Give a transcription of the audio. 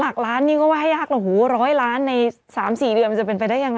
แล้วเขาก็ไม่ได้อธิบายต่อเขาพริกเสื้อผ้าออกไปไง